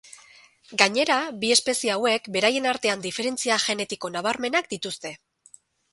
Gainera, bi espezie hauek beraien artean diferentzia genetiko nabarmenak dituzte.